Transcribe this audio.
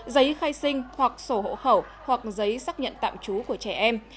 giấy khai sinh hoặc sổ hộ khẩu hoặc giấy xác nhận tạm trú của trẻ em